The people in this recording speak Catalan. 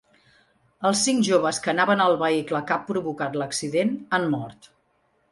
Els cinc joves que anaven al vehicle que ha provocat l’accident han mort.